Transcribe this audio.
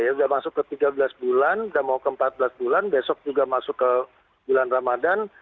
sudah masuk ke tiga belas bulan sudah mau ke empat belas bulan besok juga masuk ke bulan ramadan